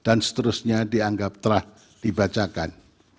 dan seterusnya dianggap telah dibacakan